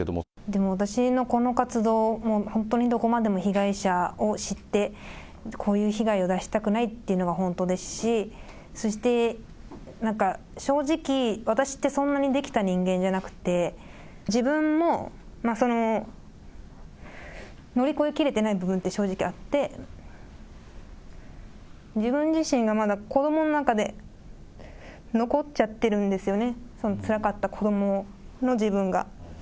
でも私のこの活動、本当にどこまでも被害者を知って、こういう被害を出したくないっていうのが本当ですし、そしてなんか、正直、私ってそんなにできた人間じゃなくて、自分も乗り越えきれてない部分って正直あって、自分自身がまだ子どもの中で残っちゃってるんですよね、そのつらかった子どもの自分が。